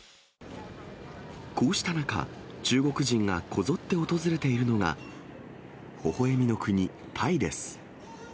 こうした中、中国人がこぞって訪れているのが、ほほえみの国、タイです。